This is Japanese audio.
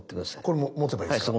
これ持てばいいですか？